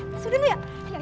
masuk dulu ya